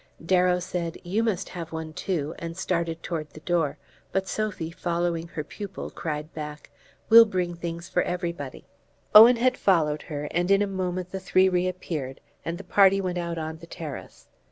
Darrow said: "You must have one too," and started toward the door; but Sophy, following her pupil, cried back: "We'll bring things for everybody." Owen had followed her, and in a moment the three reappeared, and the party went out on the terrace.